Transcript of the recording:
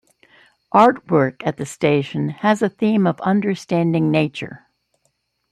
Artwork at the station has a theme of understanding nature.